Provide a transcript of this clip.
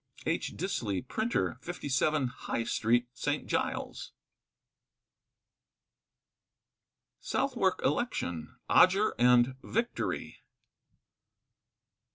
H. Disley, Printer, 57, High Street, St. Giles. SOUTHWARK ELECTION. ODGER AND VICTORY.